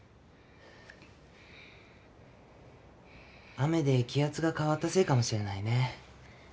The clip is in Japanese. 雨で気圧が変わったせいかもしれないね。